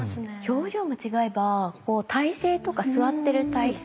表情も違えば体勢とか座ってる体勢。